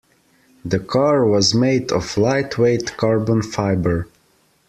The car was made of lightweight Carbon Fibre.